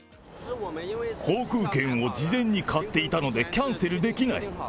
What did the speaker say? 航空券を事前に買っていたので、キャンセルできない。